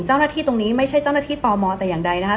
เจ้าหน้าที่ตรงนี้ไม่ใช่เจ้าหน้าที่ตมแต่อย่างใดนะคะ